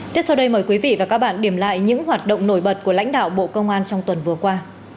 tiếp sau đây mời quý vị và các bạn điểm lại những hoạt động nổi bật của lãnh đạo bộ công an trong tuần vừa qua